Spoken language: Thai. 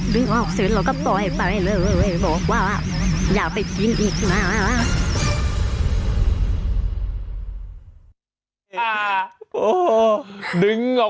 ออกเสร็จเราก็ปล่อยไปเลยบอกว่าอย่าไปกินอีกนะ